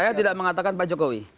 saya tidak mengatakan pak jokowi